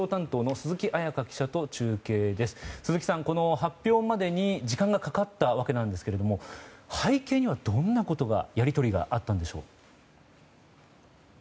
鈴木さん、発表までに時間がかかったわけなんですが背景には、どんなやり取りがあったんでしょうか。